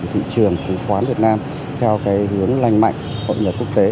thị trường chứng khoán việt nam theo cái hướng lành mạnh hợp nhật quốc tế